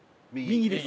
右です。